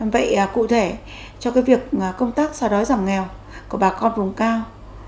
vậy cụ thể cho cái việc công tác xóa đói giảm nghèo của bà con vùng cao